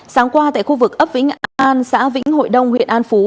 sáng qua tại khu vực ấp vĩnh an xã vĩnh hội đông huyện an phú